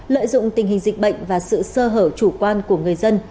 lợi dụng tình hình dịch bệnh và sự sơ hở chủ quan của người dân